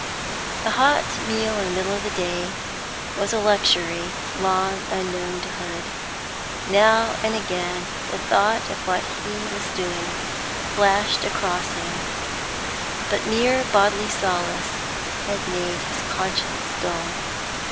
A hot meal in the middle of the day was a luxury long unknown to Hood. Now and again the thought of what he was doing flashed across him, but mere bodily solace made his conscience dull.